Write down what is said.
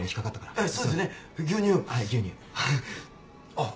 あっ。